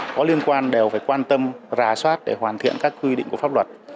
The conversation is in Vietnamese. có liên quan đều phải quan tâm rà soát để hoàn thiện các quy định của pháp luật